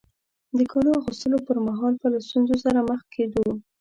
د کالو اغوستلو پر مهال به له ستونزو سره مخ کېدو.